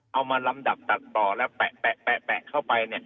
เอามาลำดับตัดต่อแล้วแปะเข้าไป